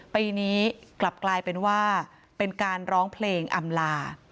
ปีนี้กลับกลายเป็นว่าเป็นการร้องเพลงอำลา